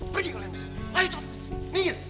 pergi kalian besar